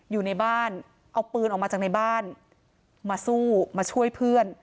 อยู่ในบ้านเอาปืนออกมาจากในบ้านมาสู้มาช่วยเพื่อน